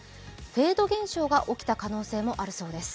フェード現象が起きた可能性もあるそうです。